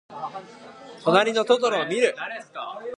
となりのトトロをみる。